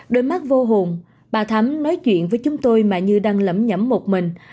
đôi mắt vô hồn bà thấm nói chuyện với chúng tôi mà như đang lẫm nhẫm một mình